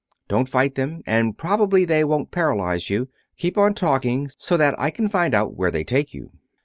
"Don't fight them and probably they won't paralyze you. Keep on talking, so that I can find out where they take you."